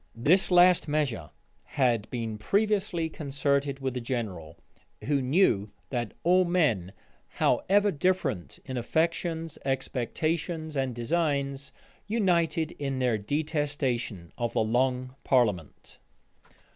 This last measure had been previously concerted with the general, who knew that all men, however different in affections, expectations, and designs, united in their detestation of the long parliament.